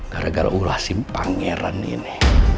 gara gara ulah si pangeran ini